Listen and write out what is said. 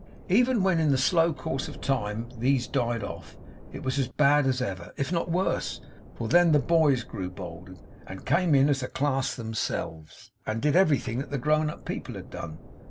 Even when, in the slow course of time, these died off, it was as bad as ever, if not worse; for then the boys grew bold, and came in as a class of themselves, and did everything that the grown up people had done.